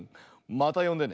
またよんでね。